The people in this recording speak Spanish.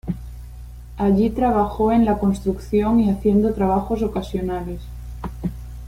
Allí trabajó en la construcción y haciendo trabajos ocasionales.